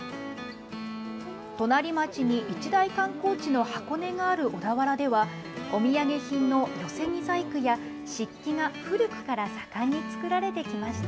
隣町に一大観光地の箱根がある小田原では、お土産品の寄せ木細工や、漆器が古くから盛んに作られてきました。